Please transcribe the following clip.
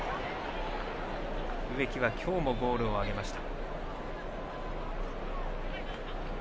植木は今日もゴールを挙げました。